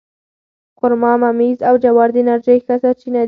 خرما، ممیز او جوار د انرژۍ ښه سرچینې دي.